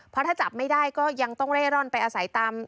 เพราะถ้าจับไม่ได้ก็ยังต้องเร่ร่อนไปอาศัยตาม